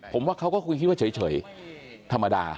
ผมว่าเขาก็คงคิดว่าเฉยธรรมดา